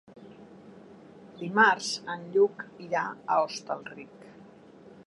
Dimarts en Lluc irà a Hostalric.